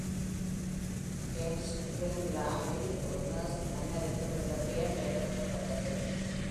"Heimskringla" வில் ஒரு Norse மன்னருக்கும் இந்த பெயர் பயன்படுத்தப்பட்டது.